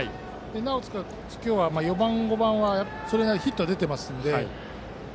なおかつ、今日は４番と５番はそれなりにヒットが出ているので。